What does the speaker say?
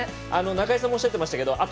中井さんもおっしゃっていましたけど